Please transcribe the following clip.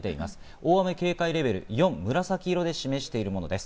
大雨警戒レベル４、紫色で示しているものです。